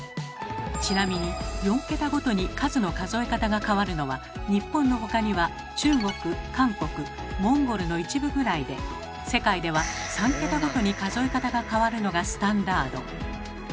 ちなみに４桁ごとに数の数え方が変わるのは日本の他には中国韓国モンゴルの一部ぐらいで世界では３桁ごとに数え方が変わるのがスタンダード。